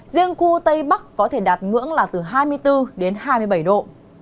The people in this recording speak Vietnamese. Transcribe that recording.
riêng khu tây bắc có thể đạt ngưỡng là từ hai mươi bốn đến hai mươi bảy độ